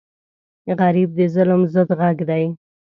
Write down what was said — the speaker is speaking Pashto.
غریب د ظلم ضد غږ دی